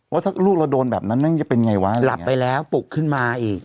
ว่าถ้าลูกเราโดนแบบนั้นแม่งจะเป็นไงวะหลับไปแล้วปลุกขึ้นมาอีก